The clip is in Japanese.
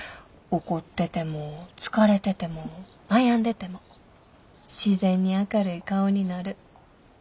怒ってても疲れてても悩んでても自然に明るい顔になる。